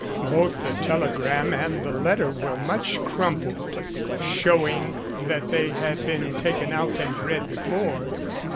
Both the telegram and the letter were much crumpled, showing that they had been taken out and read before.